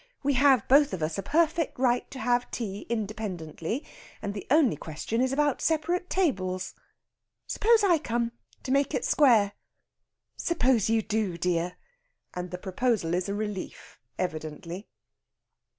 We have both of us a perfect right to have tea independently, and the only question is about separate tables." "Suppose I come to make it square." "Suppose you do, dear." And the proposal is a relief evidently.